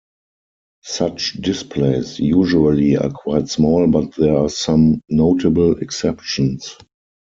Such displays usually are quite small, but there are some notable exceptions.